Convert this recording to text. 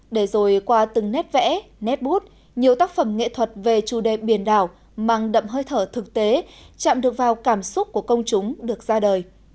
để rồi qua từng nét vẽ nét bút nhiều tác phẩm nghệ thuật về chủ đề biển đảo mang đậm hơi thở thực tế chạm được vào cảm xúc của công chúng được ra đời